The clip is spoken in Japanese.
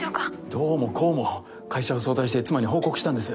どうもこうも会社を早退して妻に報告したんです。